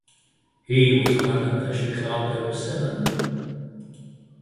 He was one of the Chicago Seven.